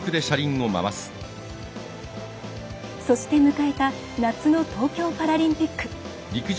そして、迎えた夏の東京パラリンピック。